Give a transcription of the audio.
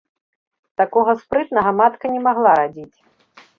Такога спрытнага матка не магла радзіць.